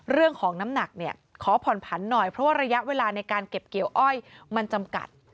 เรื่องของน้ำหนักเนี่ยขอผ่อนผันหน่อยเพราะว่าระยะเวลาในการเก็บเกี่ยวอ้อยมันจำกัด